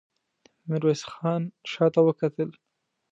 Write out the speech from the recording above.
ميرويس خان شاته وکتل.